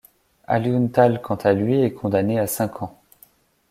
Alioune Tall quant à lui est condamné à cinq ans.